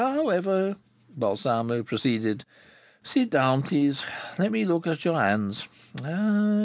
"However!" Balsamo proceeded. "Sit down, please. Let me look at your hands.